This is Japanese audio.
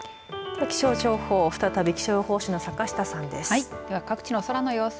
では、気象情報再び気象予報士の坂下さんです。